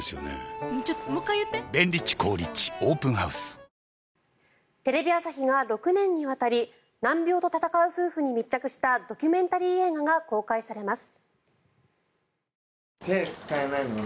脂肪に選べる「コッコアポ」テレビ朝日が６年にわたり難病と闘う夫婦に密着したドキュメンタリー映画が公開されます。